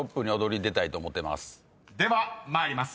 ［では参ります。